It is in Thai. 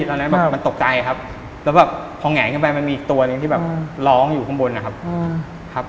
ตอนนั้นมันตกใจครับแล้วพอแหงขึ้นไปมันมีตัวนึงที่ร้องอยู่ข้างบนนะครับ